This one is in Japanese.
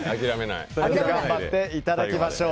頑張っていただきましょう。